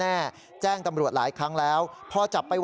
แฮดแช็คจังหวัดพยาว